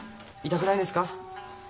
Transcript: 痛くないですか。